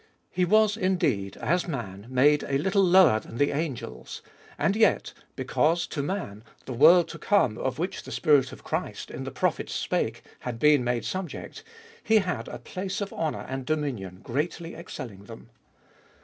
He was indeed, as man, made a little lower than the angels, and yet, because to man the world to come, of which the Spirit of Christ in the prophets spake, had been made subject, he had a place of honour and dominion greatly excelling them.